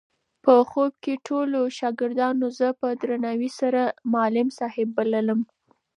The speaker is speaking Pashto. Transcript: په خوب کې ټولو شاګردانو زه په درناوي سره معلم صاحب بللم.